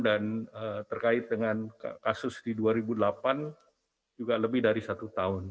dan terkait dengan kasus di dua ribu delapan juga lebih dari satu tahun